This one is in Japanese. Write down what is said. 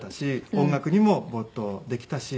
音楽にも没頭できたし。